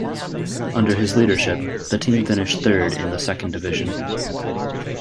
Under his leadership, the team finished third in the Second Division.